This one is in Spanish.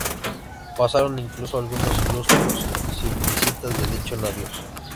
Pasaron incluso algunos lustros sin visitas de dichos navíos.